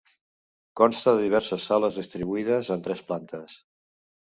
Consta de diverses sales distribuïdes en tres plantes.